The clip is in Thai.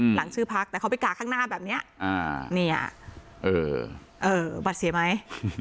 หลังชื่อพักแต่เขาไปกากข้างหน้าแบบนี้เนี่ยเออบัตรเสียไหม